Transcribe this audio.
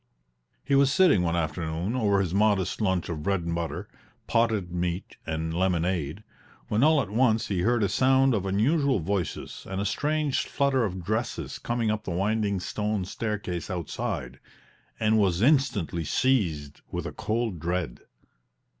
He was sitting one afternoon over his modest lunch of bread and butter, potted meat and lemonade, when all at once he heard a sound of unusual voices and a strange flutter of dresses coming up the winding stone staircase outside, and was instantly seized with a cold dread.